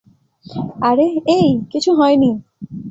আরে, এই, কিছু হয়নি।